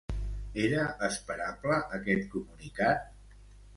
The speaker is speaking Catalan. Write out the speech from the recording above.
Era esperable aquest comunicat?